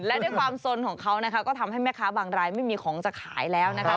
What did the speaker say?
และด้วยความสนของเขานะคะก็ทำให้แม่ค้าบางรายไม่มีของจะขายแล้วนะคะ